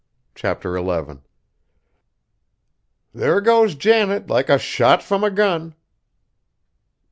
CHAPTER XI "There goes Janet like a shot from a gun!"